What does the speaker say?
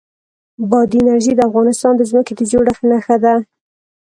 بادي انرژي د افغانستان د ځمکې د جوړښت نښه ده.